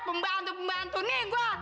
pembantu pembantu nih gue